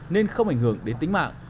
nên không ảnh hưởng đến tính mạng